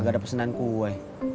gak ada pesenan gue